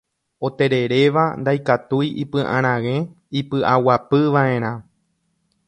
Otereréva ndaikatúi ipyʼarag̃e ipyʼaguapyvaʼerã.